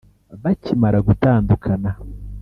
Bakimara gutandukana